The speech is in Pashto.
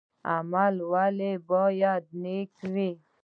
عمل ولې باید نیک وي؟